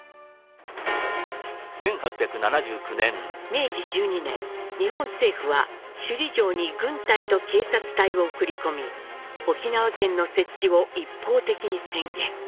明治１２年日本政府は首里城に軍隊と警察隊を送り込み沖縄県の設置を一方的に宣言。